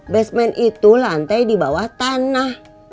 basement itu lantai di bawah tanah